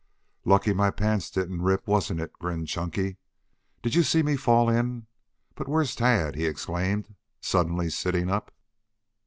"Lucky my pants didn't rip, wasn't it?" grinned Chunky. "Did you see me fall in? But where's Tad?" he exclaimed, suddenly sitting up.